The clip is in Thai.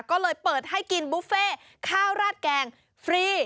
ก็เลยเปิดให้กินบุฟเฟ่ข้าวราดแกงฟรี